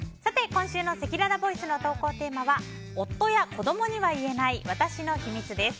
今週のせきららボイスの投稿テーマは夫や子供には言えない私の秘密です。